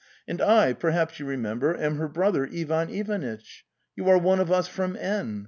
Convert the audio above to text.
And I, perhaps you remember, am her brother Ivan Ivanitch. ... You are one of us from N.